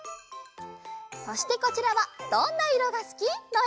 そしてこちらは「どんな色がすき」のえ。